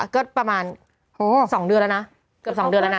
ก็ประมาณ๒เดือนแล้วนะเกือบ๒เดือนแล้วนะ